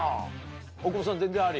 大久保さん全然あり？